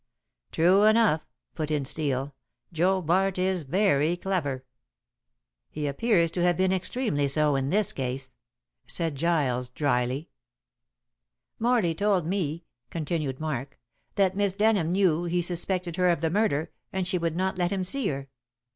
"True enough," put in Steel, "Joe Bart is very clever." "He appears to have been extremely so in this case," said Giles dryly. "Morley told me," continued Mark, "that Miss Denham knew he suspected her of the murder, and she would not let him see her.